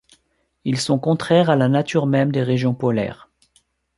Ils sont contraires à la nature même des régions polaires!...